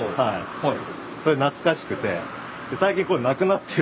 はい。